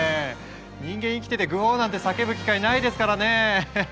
人間生きててグォーなんて叫ぶ機会ないですからね。